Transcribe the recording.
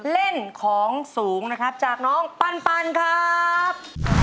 เล่นของสูงนะครับจากน้องปันครับ